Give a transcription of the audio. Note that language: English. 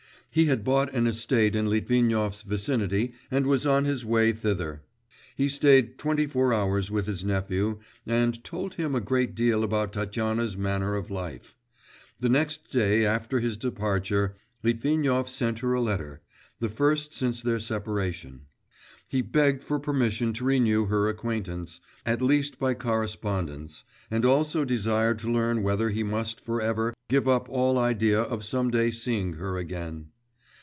He had bought an estate in Litvinov's vicinity and was on his way thither. He stayed twenty four hours with his nephew and told him a great deal about Tatyana's manner of life. The next day after his departure Litvinov sent her a letter, the first since their separation. He begged for permission to renew her acquaintance, at least by correspondence, and also desired to learn whether he must for ever give up all idea of some day seeing her again?